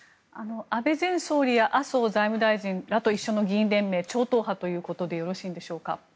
安倍前総理や麻生財務大臣らと一緒の議員連盟、超党派ということでよろしいんでしょうか？